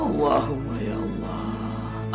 allahumma ya allah